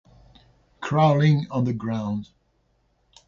Crawling on the ground.